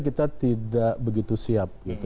kita tidak begitu siap